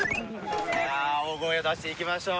さあ大声を出していきましょう。